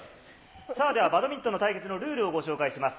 さあ、ではバドミントン対決のルールをご紹介します。